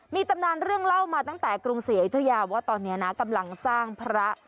มีตำนานเรื่องเล่ามาตั้งแต่กรุงศรีอยุธยาว่าตอนนี้นะกำลังสร้างพระ